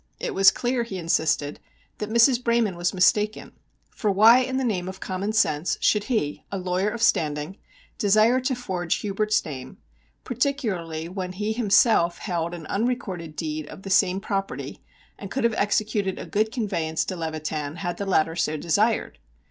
It was clear, he insisted, that Mrs. Braman was mistaken, for why, in the name of common sense, should he, a lawyer of standing, desire to forge Hubert's name, particularly when he himself held an unrecorded deed of the same property, and could have executed a good conveyance to Levitan had the latter so desired.